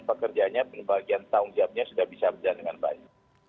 perkerjaannya pembagian tahun tiapnya sudah bisa berjalan dengan baik